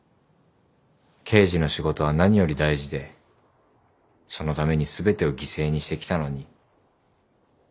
「刑事の仕事は何より大事でそのために全てを犠牲にしてきたのに」